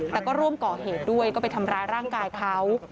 แต่ก็ร่วมก่อเหตุด้วยก็ไปทำร้ายร่างกายเขา